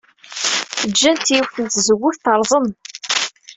Ǧǧant yiwet n tzewwut terẓem.